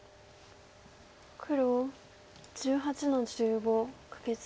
黒１８の十五カケツギ。